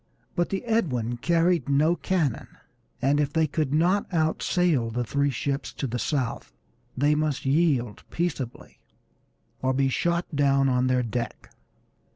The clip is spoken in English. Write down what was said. But the Edwin carried no cannon, and if they could not out sail the three ships to the south they must yield peaceably, or be shot down on their deck.